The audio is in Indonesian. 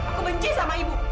aku benci sama ibu